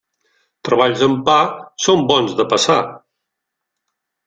Treballs amb pa són bons de passar.